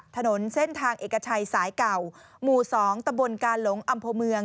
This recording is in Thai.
ถนนเส้นทางเอกชัยสายเก่าหมู่๒ตะบนกาหลงอำเภอเมือง